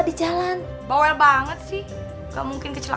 tidak ada yang bisa dikira